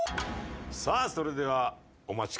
さあそれではお待ち